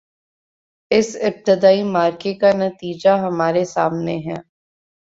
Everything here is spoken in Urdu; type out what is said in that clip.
اس ابتدائی معرکے کا نتیجہ ہمارے سامنے ہے۔